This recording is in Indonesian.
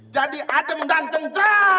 jadi adem dan cendram